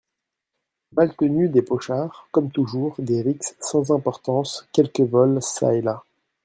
Maltenu Des pochards, comme toujours… des rixes sans importance… quelques vols… çà et là…